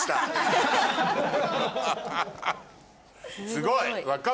すごい！